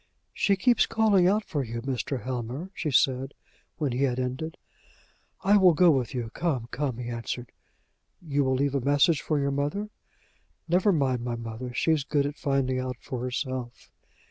"She keeps calling out for you, Mr. Helmer," she said, when he had ended. "I will go with you. Come, come," he answered. "You will leave a message for your mother?" "Never mind my mother. She's good at finding out for herself."